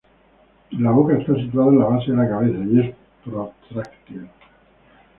La boca está situada en la base de la cabeza y es protráctil.